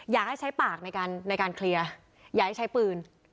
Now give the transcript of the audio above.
อยากให้ใช้ปากในการในการเคลียร์อย่าให้ใช้ปืน